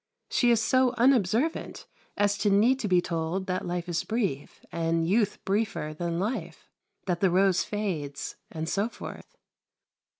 She is so unobservant as to need to be told that life is brief, and youth briefer than life; that the rose fades, and so forth.